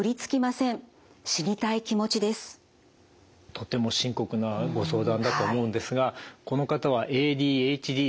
とても深刻なご相談だと思うんですがこの方はＡＤＨＤです。